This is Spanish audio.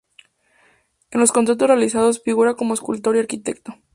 En los contratos realizados, figura como escultor y arquitecto.